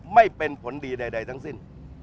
ไม่เป็นผลดีใดทั้งสิ้น